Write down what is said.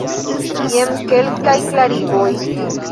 Jen kelkaj klarigoj.